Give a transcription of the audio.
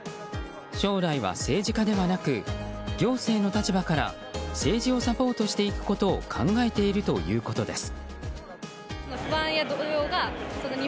将来は政治家ではなく行政の立場から政治をサポートしていくことを考えているということです。